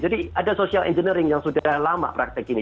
jadi ada social engineering yang sudah lama praktek ini